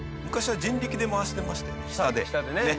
昔は人力で回してましたよね。